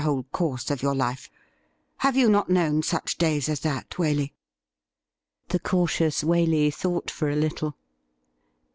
whole course of your life ? Have you not known such days as that, Waley .'"' The cautious Waley thought for a little.